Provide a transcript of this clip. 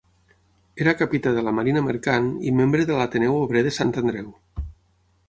Era capità de la marina mercant i membre de l'Ateneu Obrer de Sant Andreu.